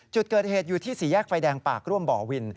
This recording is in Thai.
จุดเกิดเหตุอยู่ที่สี่แยกไฟแดงปากร่วมบ่อวิน